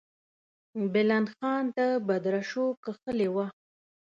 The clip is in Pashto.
بلند خان د بدرشو کښلې وه.